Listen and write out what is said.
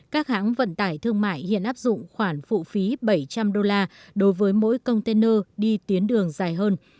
các hãng vận tải thương mại hiện áp dụng khoản phụ phí bảy trăm linh đô la đối với mỗi container đi tuyến đường dài hơn